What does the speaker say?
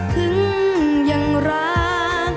ถึงยังรัก